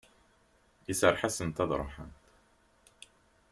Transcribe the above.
Iserreḥ-asent ad ruḥent.